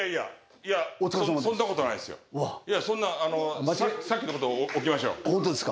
いやそんなさっきのことは置きましょう本当ですか？